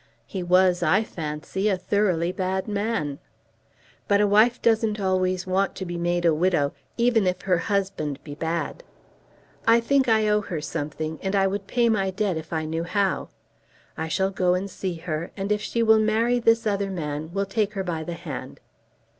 "He was, I fancy, a thoroughly bad man." "But a wife doesn't always want to be made a widow even if her husband be bad. I think I owe her something, and I would pay my debt if I knew how. I shall go and see her, and if she will marry this other man we'll take her by the hand.